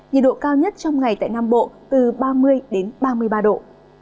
nhiệt độ cao nhất trong ngày tại nam bộ từ ba mươi đến ba mươi ba độ